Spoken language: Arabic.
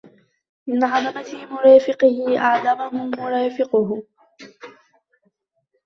مَنْ عَظُمَتْ مَرَافِقُهُ أَعْظَمَهُ مُرَافِقُهُ